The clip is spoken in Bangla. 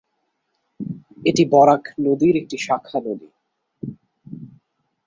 এটি বরাক নদীর একটি শাখা নদী।